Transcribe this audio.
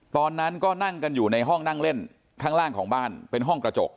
ตอนนั้นก็นั่งกันอยู่ในห้องนั่งเล่นข้างล่างของบ้านเป็นห้องกระจก